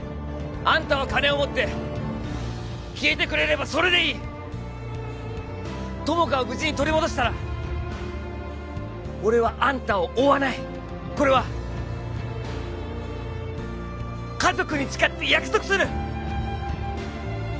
アンタは金を持って消えてくれればそれでいい友果を無事に取り戻したら俺はアンタを追わないこれは家族に誓って約束する！